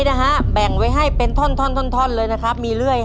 ตอนนี้ต้องตัดไม้เอง